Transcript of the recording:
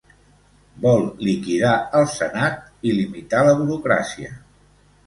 Vol liquidar el Senat i limitar la burocràcia.